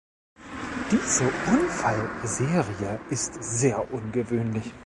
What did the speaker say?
Diese Unfall Serie ist sehr ungewöhnlich.